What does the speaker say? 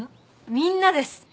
みんなです。